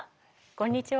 こんにちは。